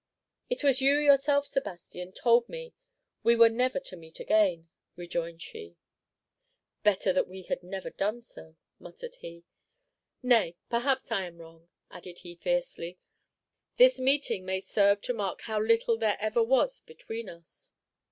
"It was you yourself, Sebastian, told me we were never to meet again," rejoined she. "Better that we had never done so!" muttered he. "Nay, perhaps I am wrong," added he, fiercely; "this meeting may serve to mark how little there ever was between us!"